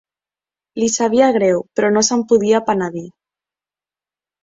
Li sabia greu, però no se'n podia penedir.